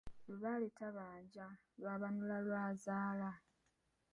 Lubaale tabanja, lwabanula lwazaala.